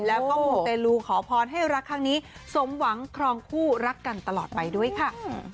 แล้วก็มูเตลูขอพรให้รักครั้งนี้สมหวังครองคู่รักกันตลอดไปด้วยค่ะ